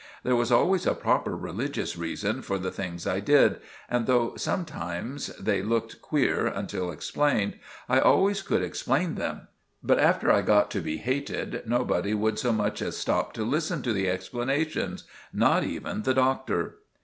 There was always a proper religious reason for the things I did, and though sometimes they looked queer until explained, I always could explain them. But after I got to be hated, nobody would so much as stop to listen to the explanations—not even the Doctor.